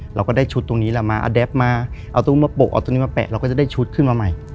เราก็ได้ชุดตรงนี้มาเอาตรงนี้มาปกเอาตรงนี้มาแปะเราก็จะได้ชุดขึ้นมาใหม่